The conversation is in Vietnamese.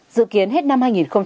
dự kiến hết năm hai nghìn hai mươi